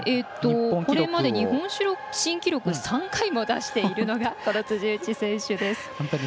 これまで日本新記録を３回も出しているのが辻内選手です。